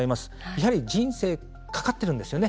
やはり人生かかってるんですよね。